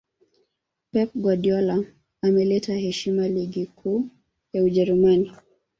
pep guardiola ameleta heshima ligi kuu ya ujerumani